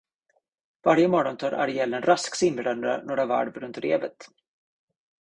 Varje morgon tar Ariel en rask simrunda några varv runt revet.